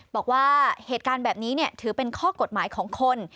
บอกว่าเหตุการณ์แบบนี้ถือเป็นข้อกฎหมายของคน